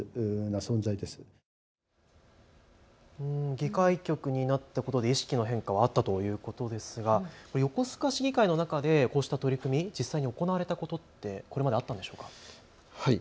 議会局になったことで意識の変化はあったということですが横須賀市議会の中でこうした取り組み、実際に行われたことってこれまであったんでしょうか。